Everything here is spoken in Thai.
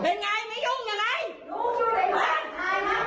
มึงไม่ได้ยุ่งอย่างไร